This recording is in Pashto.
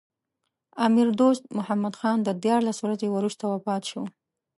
امیر دوست محمد خان دیارلس ورځې وروسته وفات شو.